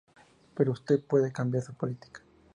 Pero usted puede cambiar su política.